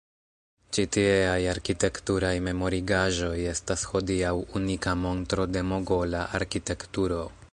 Ĉi tieaj arkitekturaj memorigaĵoj estas hodiaŭ unika montro de mogola arkitekturo.